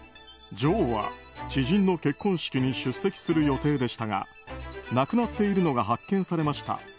女王は知人の結婚式に出席する予定でしたが亡くなっているのが発見されました。